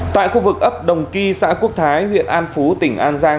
tại khu vực ấp đồng ky xã quốc thái huyện an phú tỉnh an giang